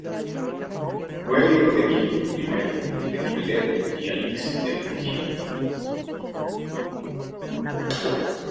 Fue el hijo de Guido I de Gibelet y Alix de Antioquía.